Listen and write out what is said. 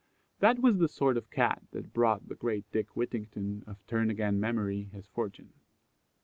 That was the sort of cat that brought the great Dick Whittington, of "turn again" memory, his fortune.